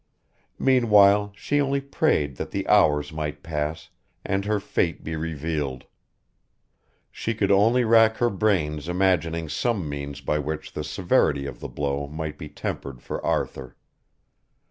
Meanwhile she only prayed that the hours might pass and her fate be revealed. She could only rack her brains imagining some means by which the severity of the blow might be tempered for Arthur.